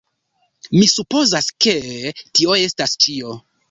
Mi supozas ke... tio estas ĉio!